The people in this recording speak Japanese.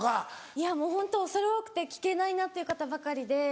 いやもうホント恐れ多くて聞けないなっていう方ばかりで。